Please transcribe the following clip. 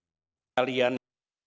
dan saya ingin mengucapkan kepada kalian